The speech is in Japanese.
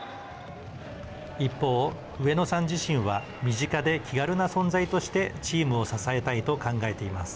一方、上野さん自身は身近で気軽な存在としてチームを支えたいと考えています。